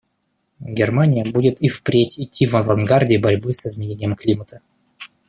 Германия будет и впредь идти в авангарде борьбы с изменением климата.